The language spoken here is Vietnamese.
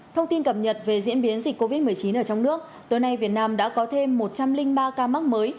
thông tin cập nhật về diễn biến dịch covid một mươi chín ở trong nước tối nay việt nam đã có thêm một trăm linh ba ca mắc mới